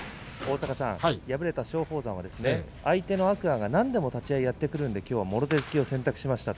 敗れた松鳳山は相手の天空海が何度も立ち合いをやってくるんできょうはもろ手突きを、選択しました。